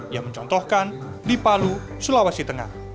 yang mencontohkan di palu sulawesi tengah